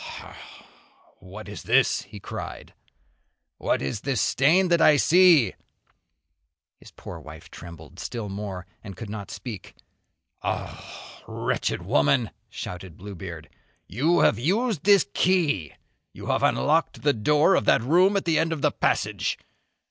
"Ha! what is this?" he cried, "what is this stain that I see!" His poor wife trembled still more, and could not speak. "Wretched woman!" shouted Bluebeard, "you have used this key, you have unlocked the door of that room at the end of the passage.